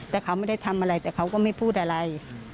แต่เขาไม่ได้ทำอะไรแต่เขาก็ไม่พูดอะไร